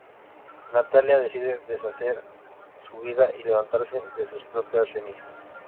Natalia decide rehacer su vida y levantarse de sus propias cenizas.